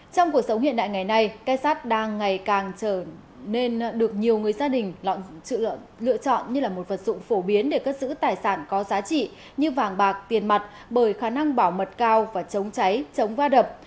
trong cuộc sống hiện đại ngày nay cây sát đang ngày càng trở nên được nhiều người gia đình lựa chọn như là một vật dụng phổ biến để cất giữ tài sản có giá trị như vàng bạc tiền mặt bởi khả năng bảo mật cao và chống cháy chống va đập